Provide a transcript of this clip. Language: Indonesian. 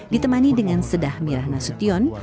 ditemani dengan sedah mirah nasution